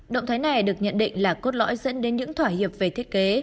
động thái này được nhận định là cốt lõi dẫn đến những thỏa hiệp về thiết kế